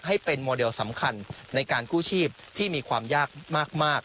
ให้เป็นโมเดลสำคัญในการกู้ชีพที่มีความยากมาก